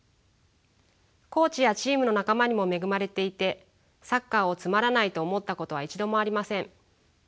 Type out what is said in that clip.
コーチやチームの仲間にも恵まれていてサッカーをつまらないと思ったことは一度もありません。